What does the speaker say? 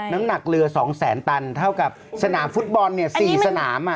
น้ำหนักเรือ๒แสนตันเท่ากับสนามฟุตบอลเนี่ย๔สนาม